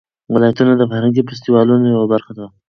ولایتونه د فرهنګي فستیوالونو یوه برخه ده.